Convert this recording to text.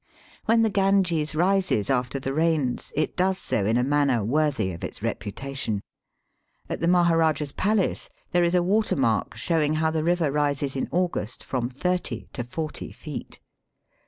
When the Ganges rises after the rains, it does so in a manner worthy of its reputation. At the Maharajah's palace there is a water mark, showing how the river rises in August from thirty to forty feet.